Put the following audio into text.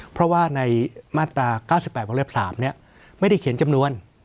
เพราะว่าในมาตราเก้าสิบแปดของเรียบสามเนี้ยไม่ได้เขียนจำนวน